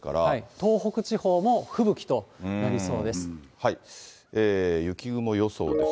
東北地方も吹雪となりそうです。